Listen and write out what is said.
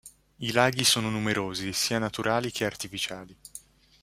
I laghi sono numerosi, sia naturali che artificiali.